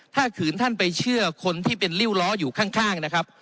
ถ้าขืนท่านไปเชื่อคนที่เป็นริ้วล้ออยู่ข้างนะครับ